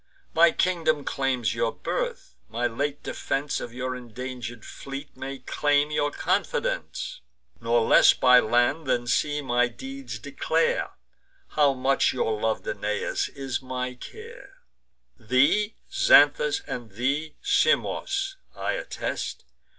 My kingdom claims your birth; my late defence Of your indanger'd fleet may claim your confidence. Nor less by land than sea my deeds declare How much your lov'd Aeneas is my care. Thee, Xanthus, and thee, Simois, I attest.